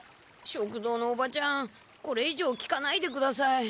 食堂のおばちゃんこれいじょう聞かないでください。